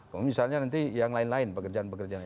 kalau misalnya nanti yang lain lain pekerjaan pekerjaan ini